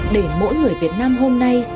để mỗi người việt nam hôm nay